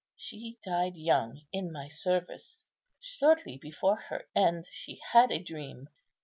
She died young in my service. Shortly before her end she had a dream.